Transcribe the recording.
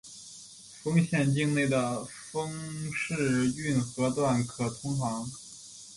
丰县境内的丰沛运河段可通航。